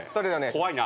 怖いな。